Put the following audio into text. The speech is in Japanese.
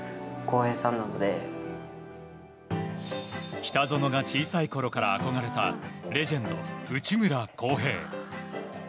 北園が小さいころから憧れたレジェンド内村航平。